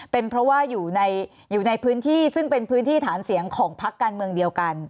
เป็นเพราะว่าอยู่ในพื้นที่ซึ่งเป็นพื้นที่ฐานเสียงของพักการเมืองเดียวกัน